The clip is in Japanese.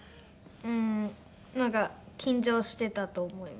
うーん。緊張してたと思います。